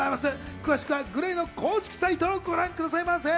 詳しくはＧＬＡＹの公式サイトをご覧くださいませ。